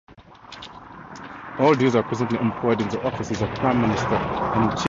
All these are presently employed in the offices of Prime Minister and Chief Ministers.